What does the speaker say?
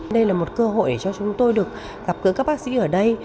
đây là một cơ hội để cho chúng tôi được gặp gỡ các bác sĩ ở đây